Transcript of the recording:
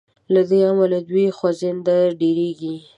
له دې امله د دوی خوځیدنه ډیریږي.